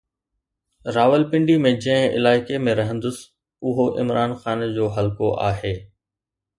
راولپنڊي ۾ جنهن علائقي ۾ رهندس اهو عمران خان جو حلقو آهي.